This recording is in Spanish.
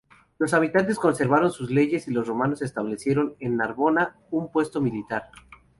Los habitantes conservaron sus leyes y los romanos establecieron en Narbona un puesto militar.